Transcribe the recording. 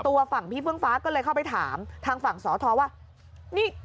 ตัวฝั่งพี่เฟื้องฟ้าก็เลยเข้าไปถามทางฝั่งสทว่านี่